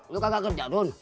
lo kagak kerja dun